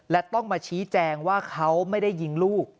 และต้องมาชี้แจงว่าเขาไม่ได้ยิงลูก